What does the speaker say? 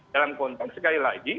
dalam konteks sekali lagi